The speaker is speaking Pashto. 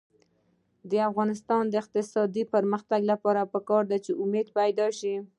د افغانستان د اقتصادي پرمختګ لپاره پکار ده چې امید پیدا شي.